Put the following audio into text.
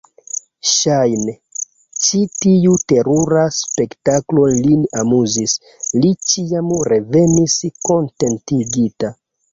Ŝajne, ĉi tiu terura spektaklo lin amuzis: li ĉiam revenis kontentigita.